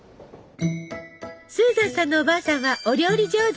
スーザンさんのおばあさんはお料理上手！